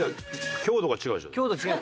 強度違うでしょ。